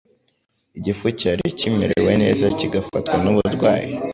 igifu cyari kimerewe neza kigafatwa n’uburwayi.